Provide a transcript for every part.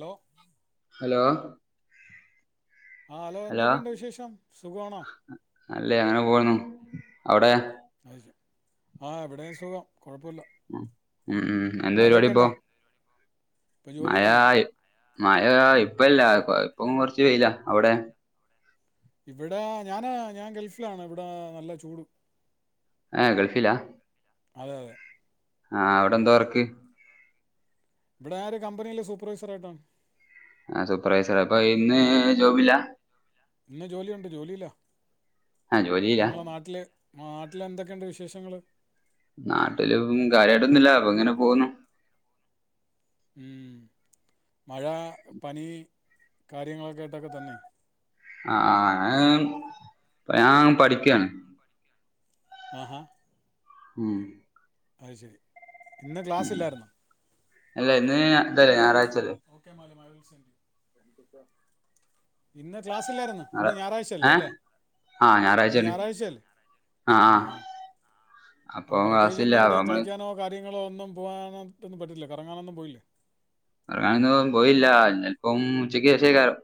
Law? Hello? ആഹ hello എന്തൊക്കെണ്ട് വിശേഷം സുഖാണോ? ന്നല്ലേ അങ്ങനെ പോണൂ അവിടെ? ആഹാ ഇവിടെ സുഖം കുഴപ്പുല്ല. ഉം ഉം എന്താ പരിപാടി ഇപ്പോ ഇപ്പോൾ ജോലിയിലാണ് മയായി. മയാ ഇപ്പല്ല കൊ ഇപ്പം കുറച്ച് വെയിലാ. ഇവിടെ ഞാന് ഞാൻ ഗൾഫിലാണ്. ഇവിടെ നല്ല ചൂടും ഏാ ഗൾഫിലാ? അതെ അതെ. ആഹാ അവ്ടെന്താ വർക്ക് ഇവടാര് കമ്പനിയില് സൂപ്പർവൈസർയായ്ട്ടാ. അസൂപ്പർവൈസറാ അപ്പൊ ഇന്ന് ജോബില്ല? ഇന്ന്ജോലിയുണ്ട്. ജോലിലാ ആ ജോലിയില്ല ഞങ്ങളെ നാട്ട്ല് നാട്ടില് എന്തൊക്കെണ്ട് വിശേഷങ്ങള്? നാട്ടിലും കാര്യയിട്ടൊന്നുല്ല അപ്പൊ ഇങ്ങനെ പോവുന്നു. മ്മ് മഴ പണി കാര്യങ്ങളൊക്കൊട്ടാക്കെ തന്നെ ആഹ് ഞാൻ പഠിക്കാണ് ആഹ് ഉം അത് ശരി ഇന്ന് ഉം ക്ലാസ്ല്ലായിരുന്നോ അല്ല ഇന്ന് ഇതല്ലേ ഞായറാഴ്ചല്ലേ ഓക്കെ മാലി മാറിവിൽസണ്ട്ങ്ക് ഇന്ന് ക്ലാസ്സില്ലായിരുന്നു ഞായറ ഇന്ന് ഏ ഞായറാഴ്ചല്ലല്ലേ ആ ഇന്ന് ഞായറാഴ്ചയാണ് ഞായറാഴ്ചയല്ലേ ആ ആ ആഹ് ആഹ് അപ്പൊ അപ്പോ പ്രത്യേകിച്ച് ക്ലാസ്സില്ല ഇന്ന് അപ്പൊ എവിടെയും നമ്മള് കളിക്കാനോ കാര്യങ്ങളോ ഒന്നും പോവാനോട്ടൊന്നു പറ്റില്ലെ കറങ്ങാനൊന്നും പോയില്ലേ കറങ്ങാനൊന്നും പോയില്ല ചെലപ്പം ഉച്ചക്ക്ശേഷയിക്കാരം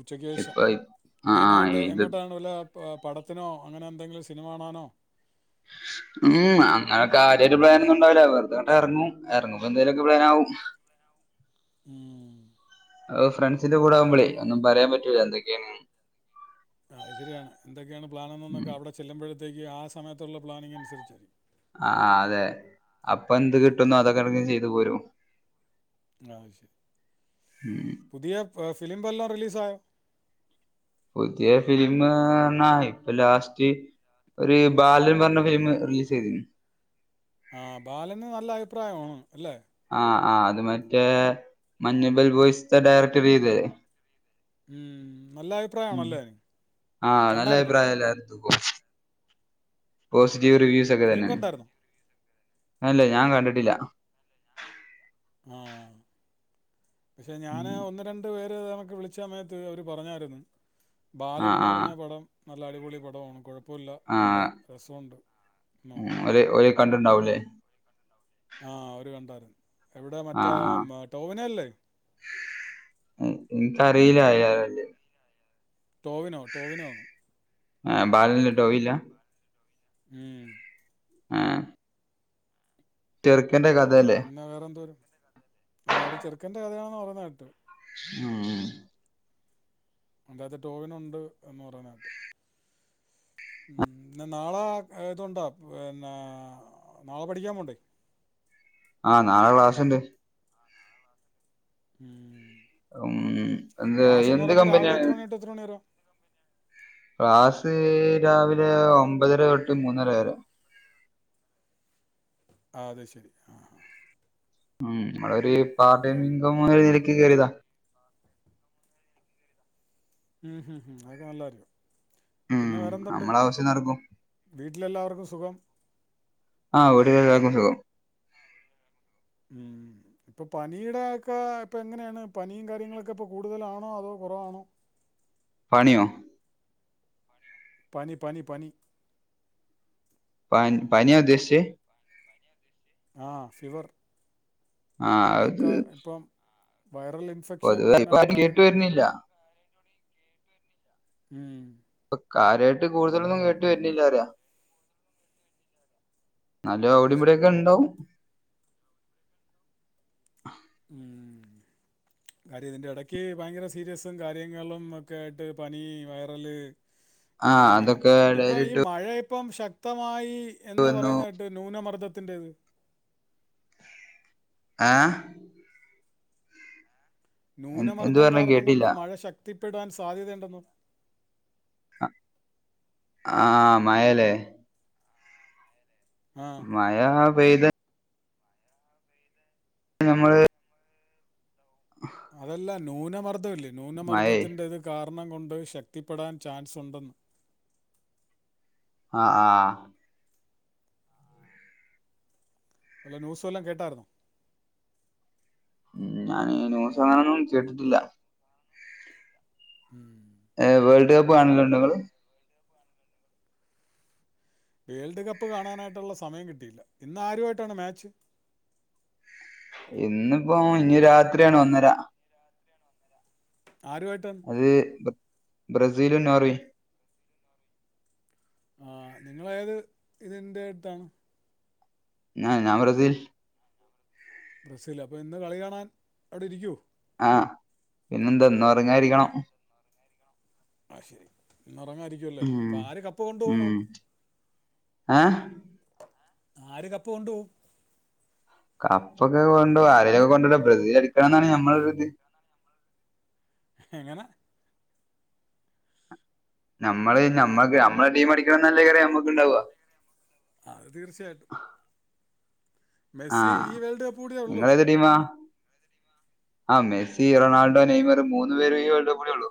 ഉച്ചക്ക് ശേഷം ഇപ്പൊ ആ ആ മെയിനായിട്ട് ഇത് എങ്ങോട്ടാണ് വല്ല പടത്തിനോ അങ്ങനെ എന്തെങ്കിലും സിനിമ കാണാനോ [inaudible] ഉം അങ്ങനെ കാര്യായിട്ട് പ്ലാനൊന്നുണ്ടാവൂല്ല വെറുതെങ്ങട്ടറങ്ങും എറങ്ങുമ്പന്തേലൊക്കെ പ്ലാനാവും ഉം അഹ്‌ ഫ്രണ്ട്സിന്റെ കൂടെ ആവുമ്പളെ ഒന്നു പറയാൻ പറ്റൂല എന്തൊക്കെണ്ന്ന് അഹ്‌ ശരിയാണ് എന്തൊക്കെണ് ഉം പ്ലാനന്നെന്നൊക്കെ അവിടെ ചെല്ലുമ്പഴത്തേക്ക് ആഹ് സമയത്തുള്ള പ്ലാനിങ്ങ് അനുസരിച്ചായിരിക്കും ആഹ് അതെ അപ്പൊ എന്ത് കിട്ടുന്നൊ അതൊക്കെ എടക്ക് ചെയ്തു പോരും ആഹ് ശരി ഉം പുതിയ ഫിലിം വല്ലോം റിലീസായോ പുതിയ ഫിലിമ്ന്നാ ഇപ്പൊ ലാസ്റ്റ് ഒരു ബാലൻ പറഞ്ഞ ഫിലിം റിലീസ് ചെയ്തിരുന്നു ആഹ് ബാലന് നല്ല അഭിപ്രായാണ് അല്ലേ ആഹ് ആഹ് അത് മറ്റേ മഞ്ഞുമ്മൽ ബോയ്സ്ത്തെ ഡയറക്ടർ ചെയ്തേ ഉം നല്ല ഉം അഭിപ്രായമാണല്ലേ ആഹ് നല്ല കണ്ടായിരുന്നോ അഭിപ്രായല്ലേ അത് പോസിറ്റീവ് റിവ്യൂസ് ഒക്കെ ഫിലിം തന്നെയാണ് കണ്ടായിരുന്നോ അല്ലേ ഞാൻ കണ്ടിട്ടില്ല ആഹ് പക്ഷെ ഞാൻ ഉം. ഒന്ന് രണ്ട് പേര് നമ്മക്ക് വിളിച്ച സമയത്ത് അവര് പറഞ്ഞായിരുന്നു ആ ബാലൻ എന്ന് ആ പറഞ്ഞ പടം നല്ല അടിപൊളി പടമാണ് കുഴപ്പ പ്പോല്ല നല്ല ആഹ് രസമുണ്ട് എന്ന് പറഞ് ഓല് ഓല് കണ്ടിണ്ടാവൂലേ ആഹ് കണ്ടാരുന്നു എവിടെ മറ്റേ ടോവിനോ അല്ലേ എനിക്ക് ആറിയില്ല ഏതാ നല്ലേ ടോവിനോ ടോവിനോ ആണ് ആഹ് ബാലൻ ല് ടോവിനാ ഉം ആഹ് ചെറുക്കന്റ ക പിന്നെ വേറെന്തോരം ആഹ് ഒരു ചെറുക്കന്റെ കഥയാണെന്ന് പറയണ കേട്ട് ഉം അതിന്റെകത്ത് ടോവിനോ ഉണ്ട് എന്ന് പറയുന്ന കേട്ട് ഉം നാളെ ഇതുണ്ടോ പിന്നെ നാളെ പഠിക്കാൻ പോണ്ടേ ആഹ് നാളെ ക്ലാസ്സുണ്ട് ഉം ഉം എന്ത് ക്ലാസ് എന്ന് എന്ത് പറയുമ്പോൾ രാവിലെ കമ്പിനിയാണ് എത്ര മണി തൊട്ട് എത്ര മണി വരെ ക്ലാസ് രാവിലെ ഒമ്പതര തൊട്ട് മൂന്നര വരെ ആഹ് അതെ ശരി ആഹ് ഉം നമ്മളൊരു ഒമ്പത് പാർടൈം മണി തൊട്ട് ഇൻകം ഒമ്പത്. എന്ന നിലക്ക് കേറിയതാ ഉം ഉം അതൊക്കെ നല്ലായിരിക്കും ഉം പിന്നെ വേറെതുണ്ട് നമ്മളെ ആവശ്യം നടക്കും വീട്ടിലെ എല്ലാവർക്കും സുഖം ആ വീട്ടിൽ എല്ലാവർക്കും സുഖം ഉം ഇപ്പൊ പനിയുടെ ഒക്കെ ഇപ്പ എങ്ങനെയാണ് പനിയും കാര്യങ്ങളൊക്കെ ഇപ്പോ കൂടുതലാണോ അതോ കുറവാണോ പണിയോ പനി പനി പനി പ പനിയ ഉദ്ദേശിച്ചേ ആ ഫിവർ ആഹ് അത് അതൊക്കെ ഇപ്പം വൈറൽ ഇൻഫെക്ഷൻ പൊതുവെ ഇപ്പ ആരും കേട്ട് വരുന്നില്ല [unintelligible] ഉം ഇപ്പ കാര്യായിട്ട് കൂടുതലൊന്നും കേട്ട് വരുന്നില്ല അറിയാ ഇന്നാലും അത് അവിടിം ശരി ഇവടൊക്കെ ഉണ്ടാവും ഉം കാര്യം ഇതിൻ്റെ ഇടയ്ക്ക് ഭയങ്കര സീരിയസും കാര്യങ്ങളും ഒക്കെ ആയിട്ട് പനി വൈറല് ആ അങ്ങനെ അങ്ങനെ അതൊക്കെ ഇപ്പൊ ഈ ഇടയിലിട്ട് മഴ ഇപ്പം ശക്തമായി എന്ന് വന്നു പറയുന്നത് കേട്ട് ന്യൂനമർദ്ദത്തിൻ്റേത് ആഹ് എൻ- എന്ത് ന്യൂനമർദ്ദം പറഞ്ഞ കാരണം കൊണ്ട് കേട്ടില്ല മഴ ശക്തിപ്പെടാൻ സാധ്യതയുണ്ടെന്ന് ആഹ് മഴല്ലേ ആഹ് മായ പെയ്യ ഞമ്മള് അതല്ല ന്യൂനമർദ്ദമില്ലേ മഴേ ന്യൂനമർദ്ദത്തിന്റെത് കാരണം കൊണ്ട് ശക്തിപ്പെടാൻ ചാൻസ് ഉണ്ടെന്ന് ആഹ് ആഹ് വെല്ല ന്യൂസ് വെല്ലോ കേട്ടാരുന്നോ മം ഞാനി ന്യൂസ് അങ്ങനെയൊന്നും കേട്ടിട്ടില്ല മം ഏ വേൾഡ് കപ്പ് കാണുന്നണ്ടോ നിങ്ങള് വേൾഡ് കപ്പ് കാണാനായിട്ടുള്ള സമയം കിട്ടിയില്ല ഇന്ന് ആരുമായിട്ടാണ് മാച്ച് ഇന്നിപ്പോ ഇനി രാത്രിയാണ് ഒന്നര ആരുമായിട്ടാണ് അത് ബ്രസീലും നോർവേയും ആ നിങ്ങള് ഏത് ഇതിന്റെ അടുത്താണ് ഞാ ഞാൻ ബ്രസീൽ ബ്രസീൽ അപ്പോ ഇന്ന് കളി കാണാൻ അവിടെ ഇരിക്കുവോ ആഹ് പിന്നെന്താ ഇന്ന് ഉറങ്ങാതിരിക്കണം അത് ശരി ഇന്ന് ഉറങ്ങായിരിക്കുവല്ലേ ഉം അപ്പോ ആര് കപ്പ് കൊണ്ടു ഉം പോണം ഏ ആര് കപ്പ് കൊണ്ട് പോകും കപ്പ് ഒക്കെ കൊണ്ടോ ആരലൊക്കെ കൊണ്ടല്ലോ ബ്രസീൽ അടിക്കണം എന്നാണ് ഞമ്മടെ ഇത് എങ്ങനെ നമ്മള് നമ്മക്ക് നമ്മടെ ടീം അടിക്കണന്നല്ലേ ഏറെ നമുക് ണ്ടാവുക അത് തീർച്ചയായിട്ടും മെസ്സി ആഹ് ഈ വേൾഡ് കപ്പ് കൂടിയേ ഉള്ളൂ നിങ്ങൾ ഏത് ടീമാ ആ മെസി റൊണാൾഡോ നെയ്മർ മൂന്ന് പേരും ഈ വേൾഡ്കപ്പ് കൂടിയേ ഉള്ളൂ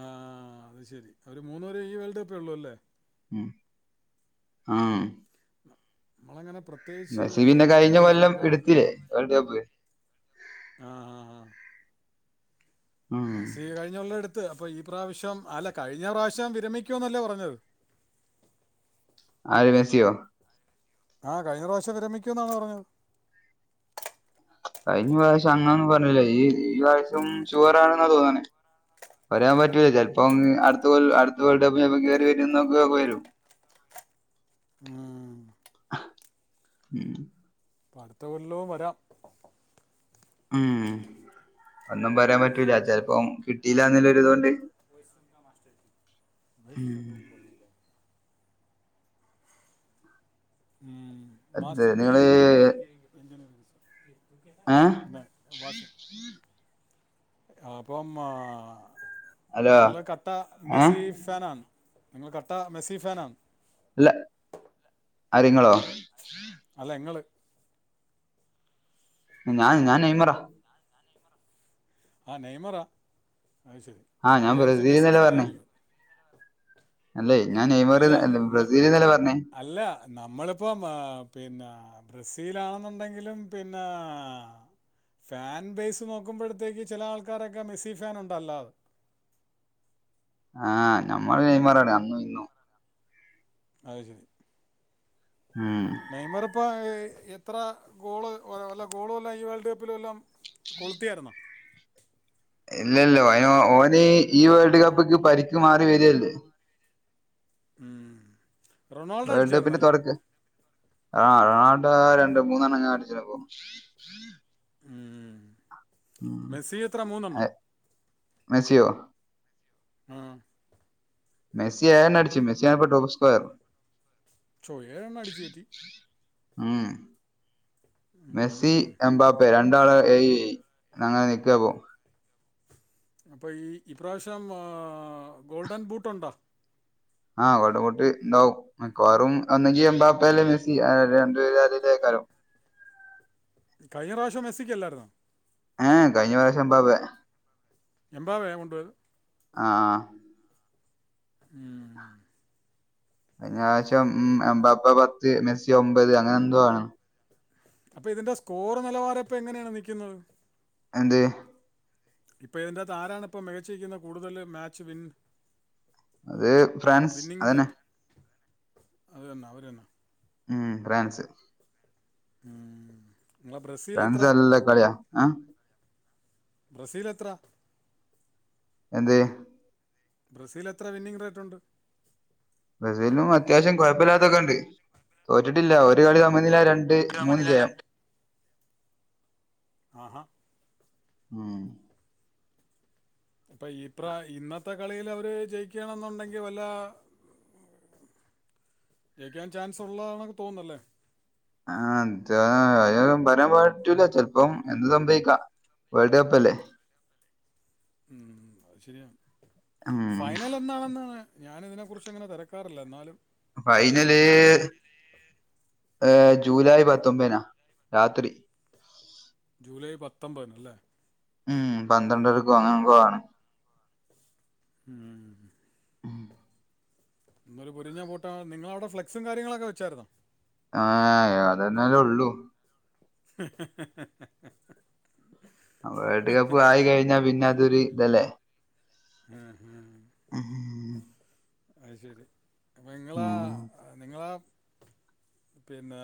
ആ അത് ശരി അവര് മൂന്ന് പേരും ഈ വേൾഡ് കപ്പേ ഉള്ളൂ അല്ലേ ഉം ആഹ് നമ്മളങ്ങനെ പ്ര മെസ്സി പിന്നെ കഴിഞ്ഞ കൊല്ലം എടുത്തില്ലേ വേൾഡ് കപ്പ് ആഹ് ആഹ് ആഹ് ഉം മെസ്സി കഴിഞ്ഞ കൊല്ലം എടുത്ത് അപ്പോ ഈ പ്രാവശ്യം അല്ല കഴിഞ്ഞ പ്രാവശ്യം വിരമിക്കുവന്നല്ലേ പറഞ്ഞത് ആര് മെസ്സിയോ ആഹ് കഴിഞ്ഞ പ്രാവശ്യം വിരമിക്കുന്നാണല്ലോ പറഞ്ഞത് കഴിഞ്ഞ പ്രാവശ്യം അങ്ങനൊന്നും പറഞ്ഞില്ല ഈ ഈ പ്രാവശ്യം ഷുവർ ആണെന്നാ തോന്നണേ പറയാൻ പറ്റൂല്ല ചെലപ്പം അടുത്തകൊല്ലം അടുത്ത വേൾഡ് കപ്പിന് കേറി വരുന്നൊക്കെ വരും ഉം [inaudible] അടുത്ത കൊല്ലവും വരാം മം ഒന്നും പറയാൻ പറ്റൂല ചെലപ്പം കിട്ടിയില്ലാന്നുള്ള ഒരു ഇതുകൊണ്ട് ഉം [inaudible] ഉം. അത് മാസ്റ്റർ [unintelligible] നിങ്ങള് എൻജിനീയറിങ്ങിന് [unintelligible] ഏ [unintelligible] അപ്പോ ആഹ് ഹലോ നിങ്ങള് കട്ട ഏഹ് മെസ്സി ഫാനാണ് നിങ്ങള് കട്ട മെസ്സി ഫാനാണ് അല്ല ആര് നിങ്ങളോ അല്ല ങ്ങള് ഞാൻ ഞാൻ നെയ്മറാ ആ നെയ്മറാ അത് ശരി ആഹ് ഞാൻ വിചാരിച്ച് മെസ്സി ബ്രസീൽന്നല്ലേ പറഞ്ഞേ ഫാനായിരിക്കുന്ന്‌ അല്ലേ ഞാൻ നെയ്മറന്ന്‌ അല്ലേ ‌ ബ്രസീലന്നലെ പറഞ്ഞേ അല്ല നമ്മളിപ്പം പിന്നെ ബ്രസീൽ ആണെന്നുണ്ടെങ്കിലും പിന്നെ ഫാൻ ബേയിസ് നോക്കുമ്പോഴത്തേക്ക് ചില ആൾക്കാരൊക്കെ മെസ്സി ഫാൻ ഉണ്ടല്ലോ ആഹ് ഞമ്മള് നൈമറാണ് അന്നും ഇന്നും അയ് ശെരി. ഉം നൈയ്മർ ഇപ്പം എത്ര ഗോള് വല്ല ഗോളെല്ലാം ഈ വേൾഡ് കപ്പിലെല്ലാം കൊളുത്തിയായിരുന്നോ ഇല്ലല്ല അയിന് ഓന് ഈ വേൾഡ് കപ്പ്ക്ക് പരിക്ക് മാറി വരല്ലേ. ഉം റൊണാൾഡോ അടിച്ചായിരുന്നല്ലേ. ആ റൊണാൾടോ രണ്ട് മൂന്നെണംങ്ങ അടിച്ചിപ്പ. ഉം മെസ്സിഎത്ര മൂന്നണോ മെസ്സിയോ ആഹ് മെസ്സി ഏഴണ്ണം അടിച്ച് മെസ്സിയാണിപ്പോ ടോപ്പ് സ്ക്വയർ പ്പൊ ഏഴെണ്ണം അടിച്ച് കേറ്റി ഉം മെസ്സി ഉം. എമ്പാപ്പേ രണ്ടാള് ഏഴ് ഏഴ് അങ്ങനെ നിക്ക പോ അപ്പം ഈ ഇപ്രാവശ്യം ആ ഗോൾഡൻ ബൂട്ടുണ്ടോ? ആഹ ഗോൾഡൻ ബൂട്ട് ഉണ്ടാവും. മിക്കവാറും ഒന്നെങ്കി എമ്പാപ്പ ല്ലേ മെസ്സി അവരിരണ്ടു പേരിലരെങ്കിലുംക്കാരം. കഴിഞ്ഞ പ്രാവശ്യം മെസ്സിക്കല്ലായിരുന്നോ? ഏ കഴിഞ്ഞ പ്രാവശ്യം എമ്പാപ്പേ എമ്പാപ്പെ കൊണ്ടയത്. ആഹ് ആഹ് ഉം കഴിഞ്ഞപ്രശ്യ ഉ എമ്പാപ്പ പത്ത് മെസ്സി ഒമ്പത് അങ്ങനെ എന്തോ ആണ്. അപ്പൊ ഇതിന്റെ സ്കോർ നിലവാരം ഇപ്പ എങ്ങനെയാണ് നിക്കുന്നത്. എന്ത്‌ ഇപ്പ ഇതിനകത്ത് ആരാണിപ്പോ മികച്ചിരിക്കുന്നത് കൂടുതൽ മാച്ച് വിൻ അത് ഫ്രാൻസ് അതന്നെ ബന്നിറക്ക് അതന്നെ അവര്ന്നാ ഉം ഫ്രാൻസ് ഉം ങ്ങളെ ബ്രസീൽ എത്ര ഫ്രാൻസ് നല്ല കളിയാ ആഹ് ബ്രസീൽ എത്ര എന്തെയ് ബ്രസീൽ എത്ര വിന്നിംഗ് റേറ്റ് ഉണ്ട്. ബസ്രീലും അത്യാവശ്യം കുഴപ്പല്ലാത്തൊക്കെ ഉണ്ട്. തോറ്റിട്ടില്ല ഒരു കളി സമന്നില രണ്ട് മൂന്ന് ജയം. ആഹ ഉം അപ്പൊ ഇപ്രാ ഇന്നത്തെ കളില് അവര് ജയിക്കണെന്നുണ്ടെങ്കി വല്ല ജയിക്കാൻ ചാൻസ് ഉള്ളതാണൊന്ന് തോന്നുന്നല്ലേ? ആഹ് എന്ത അ ബനെ പാറ്റൂല ചെലപ്പം എന്ത് സംഭവിക്കാം. വേൾഡ് കപ്പ് അല്ലേ ഉ അത് ശരിയാണ് ഉം ഫൈനലൊ എന്നാളെന്നാണ് ഞാനിതിനെ കുറിച്ച് അങ്ങനെ തിരക്കാറില്ല എന്നാലും ഫൈനല് ഫൈനൽ എന്നാണ് ഏഹ് ജൂലൈ പത്തൊമ്പനാ രാത്രി. ജൂലൈ പത്തൊമ്പതിന്ല്ലേ. ഉം പന്ത്രണ്ടരക്കും അങ്ങനെങ്ങാണ്. ഉം ഉം ഇന്നൊരു പൊരിഞ്ഞാ പോട്ട നിങ്ങള അവിടെ ഫ്ലക്സ കാര്യങ്ങളൊക്കെ വെച്ചായിരുന്നോ? ആഹ് അതെന്നാല്ലെ ഉള്ളൂ. ഹ ഹ ഹ വേൾഡ് കപ്പ് ആയി കഴിഞ്ഞാ പിന്നെ അതൊരു ഇതല്ലേ? ഉം ഉം അത് ശരി അപ്പൊ ങ്ങളാ. ഉം നിങ്ങളാ പിന്നെ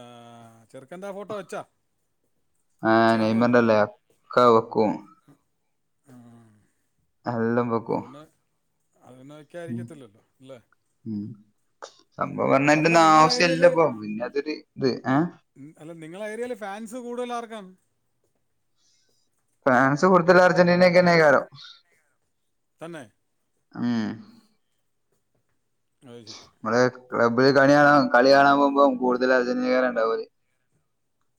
ചെറുക്കന്റെ ആ ഫോട്ടോ വെച്ചോ? ആഹ് നെയ്മറിന്റെല്ലേ ഒക്ക വെക്കും. ആഹ് എല്ലംവെക്കും. അത് പിനെ വെക്കാരിക്കത്തില്ലല്ലോ? ല്ലേ ഉമ് സംഭവം പറഞ്ഞ ആയി അവിടെ ന്റെഒന്നും നിങ്ങളെ ഏരിയയിൽ ആവശ്യംല്ലപ്പ പിന്നെ അതൊരു ഇത് ഏ. അല്ല നിങ്ങളുടെ ഏരിയല് ഫാൻസ് കൂടുതലാർക്കാണ് ഫ്രാൻസ് കൂടുതൽ അർജന്റീനക്കെന്നെകാരം തന്നെ. ഉം. അയ്ശരി. നമ്മള് ക്ലബ്ബില് കളിയാണ കളി കാണാൻ പോകുമ്പം കൂടുതല് അർജന്റീനകാര ഇണ്ടാവല്.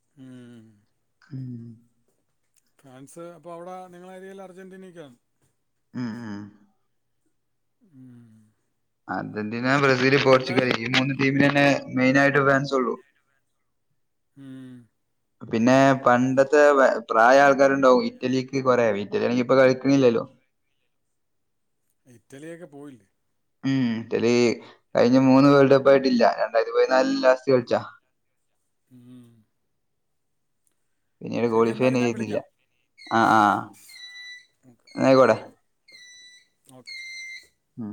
ഉം ഉം ഫാൻസ് അപ്പോ അവിടെ നിങ്ങളെ ഏരിയല് അർജന്റീനയ്ക്കാണോ? ഉം ഉം ഉം അർജന്റീന ബ്രസീൽ അപ്പം പോർച്ചുഗൽ എന്തായാലും ഈ മൂന്ന് ടീമിന നെ മെയിന് ആയിട്ട് ഫാൻസ് ഒള്ളൂ. ഉം [unintelligible] പിന്നെ പണ്ടത്തെ പ്രായായ ആൾക്കാരുണ്ടാവും ഇറ്റലിക്ക് കൊറേ ഇറ്റലിയാണെങ്കി ഇപ്പൊ കളിക്കണില്ലല്ലോ. ഇറ്റലിയൊക്കെ പോയി. ഉം ഇറ്റലി കഴിഞ്ഞ മൂന്ന് വേൾഡ് കപ്പ് ആയിട്ടില്ല രണ്ടായിരത്തി പതിനാലി ലാസ്റ്റ് കളിച്ചാ. ഉം പിന്നീട് ശരി ക്വാളിഫൈ നെ എന്തായാലും ഞാൻ ചെയ്തില്ല വിളിക്കാം ആഹ ആഹ ഇന്നായിക്കോട്ടെ. [inaudible] ഓക്കേ ഉം